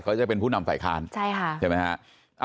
เขาจะเป็นผู้นำฝ่ายค้านใช่ค่ะใช่ไหมฮะ